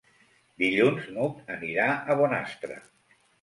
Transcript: Dilluns n'Hug anirà a Bonastre.